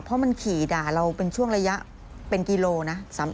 เพราะมันขี่ด่าเราเป็นช่วงระยะเป็นกิโลนะ